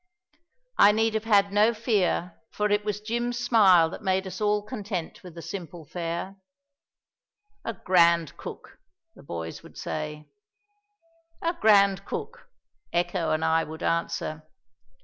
I need have had no fear for it was Jim's smile that made us all content with the simple fare. "A grand cook," the boys would say. "A grand cook," Echo and I would answer.